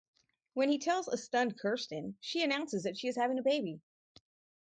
When he tells a stunned Kirsten, she announces that she is having a baby.